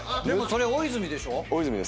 でもそれ大泉でしょ？